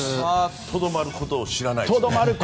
とどまることを知らないですね。